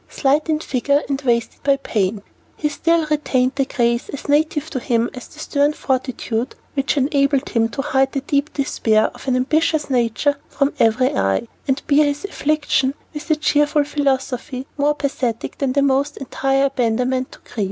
Slight in figure and wasted by pain, he still retained the grace as native to him as the stern fortitude which enabled him to hide the deep despair of an ambitious nature from every eye, and bear his affliction with a cheerful philosophy more pathetic than the most entire abandonment to grief.